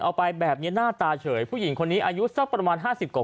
เอาไปแบบนี้หน้าตาเฉยผู้หญิงคนนี้อายุสักประมาณ๕๐กว่า